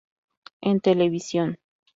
En televisión